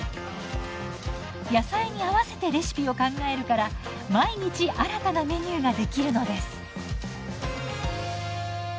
野菜に合わせてレシピを考えるから毎日新たなメニューができるのです。